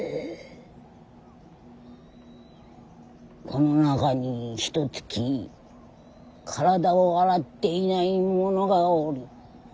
この中にひとつき体を洗っていない者がおる。